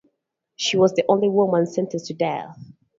She was the only woman sentenced to death.